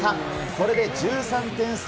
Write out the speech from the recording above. これで１３点差。